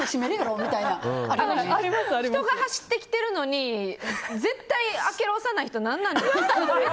人が走ってきてるのに絶対、開けるを押さない人なんなん？